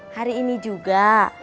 hari ini juga